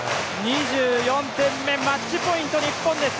２４点目、マッチポイント日本です。